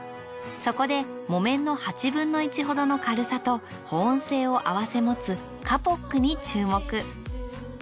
そこで木綿の８分の１ほどの軽さと保温性をあわせもつカポックに注目。